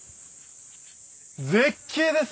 絶景ですね！